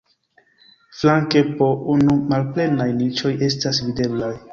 Flanke po unu malplenaj niĉoj estas videblaj.